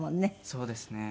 そうですね。